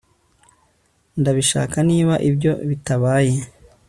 Ndabishaka niba ibyo bitabaye